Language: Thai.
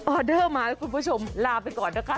อเดอร์มาให้คุณผู้ชมลาไปก่อนนะคะ